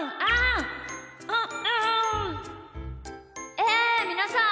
えみなさん